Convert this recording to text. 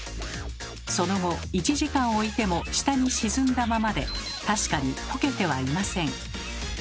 その後１時間置いても下に沈んだままで確かに溶けてはいません。